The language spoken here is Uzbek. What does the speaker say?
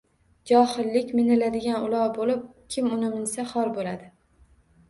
Johillik miniladigan ulov bo’lib, kim uni minsa, xor bo’ladi